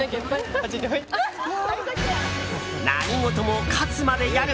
何事も勝つまでやる！